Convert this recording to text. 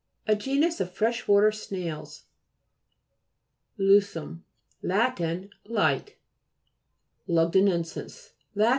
A genus of fresh water snails. LU'CEM Lat. Light. LUGDITNENSIS Lat.